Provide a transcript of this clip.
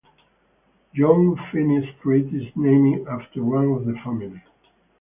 John Finnie Street is named after one of the family.